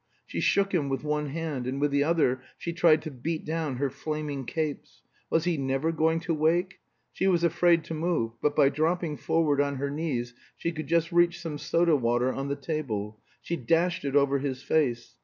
She shook him with one hand, and with the other she tried to beat down her flaming capes. Was he never going to wake? She was afraid to move; but by dropping forward on her knees she could just reach some soda water on the table; she dashed it over his face.